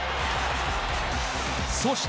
そして。